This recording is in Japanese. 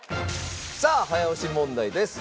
さあ早押し問題です。